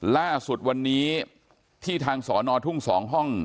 ล่าสุดวันนี้ที่ทางสอนอทุ่ง๒ห้อง